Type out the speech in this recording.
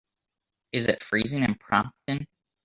is it freezing in Prompton